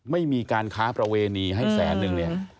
ไม่มีการค้าประเวณีให้แสนนึงเนี่ย